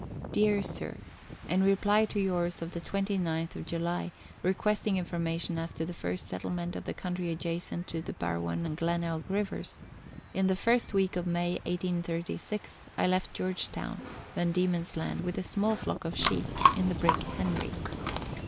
DEAR SIR, In reply to yours of the 29th July, requesting information as to the first settlement of the country adjacent to the Bar won and Glenelg rivers : In the first week of May 1836, I left George Town, Van Die men's Land, with a small flock of sheep, in the brig Henry.